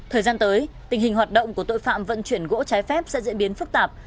thời gian tới tình hình hoạt động của tội phạm vận chuyển gỗ trái phép sẽ diễn biến phức tạp